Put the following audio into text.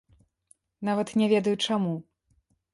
Нават не ведаю, чаму.